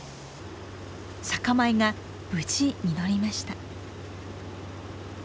酒米が無事実りました。